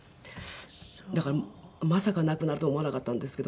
だからまさか亡くなるとは思わなかったんですけど。